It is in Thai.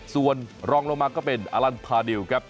ส่วนรองลงมาก็เป็นอลันพาดิวครับ